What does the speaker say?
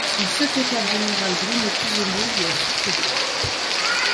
Son secrétaire général Bruno Thouzellier lui a succédé.